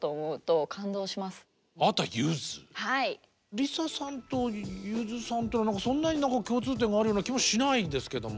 ＬｉＳＡさんとゆずさんっていうのはそんなに何か共通点があるような気はしないですけども。